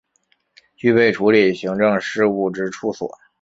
具备处理行政事务之处所